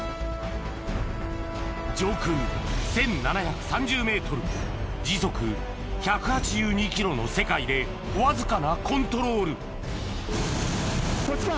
上空１７３０ｍ時速１８２ｋｍの世界でわずかなコントロールこっちか。